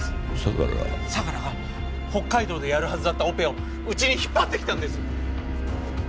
相良が北海道でやるはずだったオペをうちに引っ張ってきたんです！